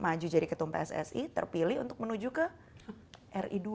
maju jadi ketum pssi terpilih untuk menuju ke ri dua